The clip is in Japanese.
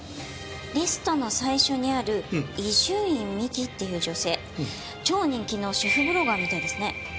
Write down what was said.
リストの最初にある伊集院美輝っていう女性超人気の主婦ブロガーみたいですね。